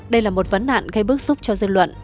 đây là một vấn nạn gây bức xúc cho dân luận